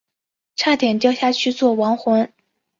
差点掉下去做亡魂